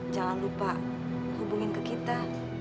jangan lupa hubungin ke kita